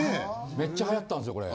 めっちゃ流行ったんすよこれ。